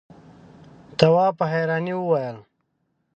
تواب په حيرانی وويل: